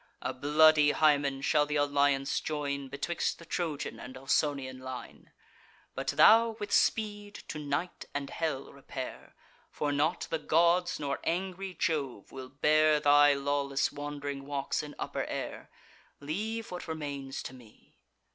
A bloody Hymen shall th' alliance join Betwixt the Trojan and Ausonian line: But thou with speed to night and hell repair; For not the gods, nor angry Jove, will bear Thy lawless wand'ring walks in upper air. Leave what remains to me."